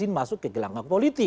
masuk ke gelanggang politik